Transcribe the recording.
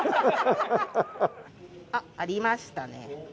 あっありましたね。